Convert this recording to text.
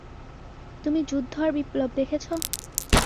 তুমি যুদ্ধ আর বিপ্লব দেখেছ?